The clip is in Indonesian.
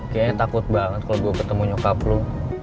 kayanya takut banget kalo gue ketemu nyokap lo